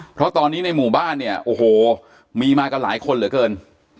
เพราะตอนนี้ในหมู่บ้านเนี่ยโอ้โหมีมากันหลายคนเหลือเกิน